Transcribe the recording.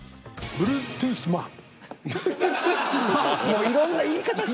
ブルートゥースマン。